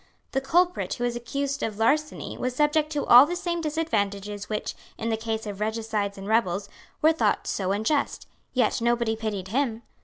The culprit who was accused of larceny was subject to all the same disadvantages which, in the case of regicides and rebels, were thought so unjust; ye nobody pitied him.